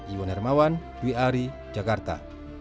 iwan hermawan dwi ari jakarta